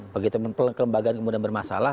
begitu kelembagaan kemudian bermasalah